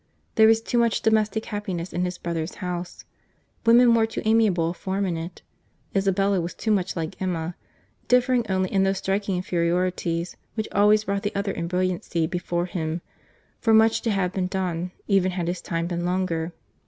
There was too much domestic happiness in his brother's house; woman wore too amiable a form in it; Isabella was too much like Emma—differing only in those striking inferiorities, which always brought the other in brilliancy before him, for much to have been done, even had his time been longer.